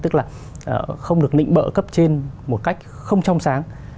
tức là không được định bợ cấp trên một cách không trong sáng